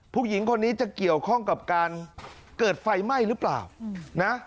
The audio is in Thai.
ผู้หญิงคนนี้จะเกี่ยวข้องกับการเกิดไฟไหม้หรือเปล่านะ